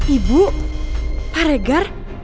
ibu pak regar